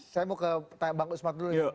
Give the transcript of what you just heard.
saya mau ke bang usman dulu